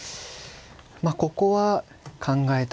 まあここは考えたい。